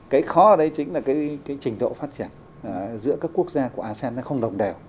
cái khó ở đấy chính là cái trình độ phát triển giữa các quốc gia của asean nó không đồng đều